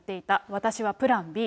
私はプランＢ。